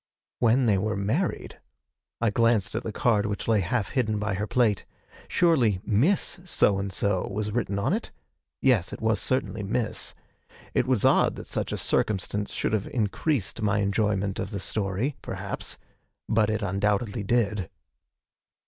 'When they were married!' I glanced at the card which lay half hidden by her plate. Surely Miss So and so was written on it? yes, it was certainly 'Miss.' It was odd that such a circumstance should have increased my enjoyment of the story, perhaps but it undoubtedly did.